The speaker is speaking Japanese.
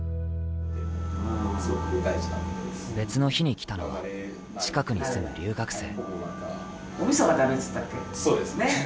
別の日に来たのは、近くに住む留学生。